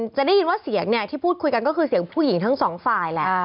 จะได้ยินว่าเสียงเนี่ยที่พูดคุยกันก็คือเสียงผู้หญิงทั้งสองฝ่ายแหละ